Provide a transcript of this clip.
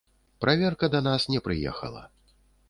Праверка да нас не прыехала.